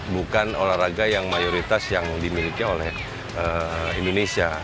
bukan olahraga yang mayoritas yang dimiliki oleh indonesia